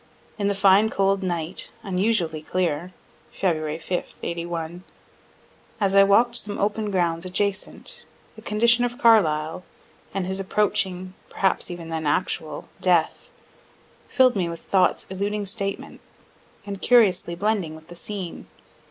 In the fine cold night, unusually clear, (Feb. 5, '81,) as I walk'd some open grounds adjacent, the condition of Carlyle, and his approaching perhaps even then actual death, filled me with thoughts eluding statement, and curiously blending with the scene.